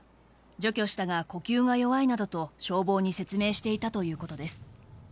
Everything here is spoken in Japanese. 除去したが、呼吸が弱いなどと消防に説明していたということです。